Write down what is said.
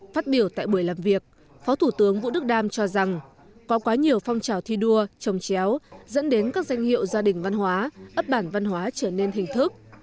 phát biểu tại buổi làm việc phó thủ tướng vũ đức đam cho rằng có quá nhiều phong trào thi đua trồng chéo dẫn đến các danh hiệu gia đình văn hóa ấp bản văn hóa trở nên hình thức